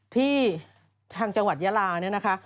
ที่จังหวัดยาลาเนี่ยนะคะ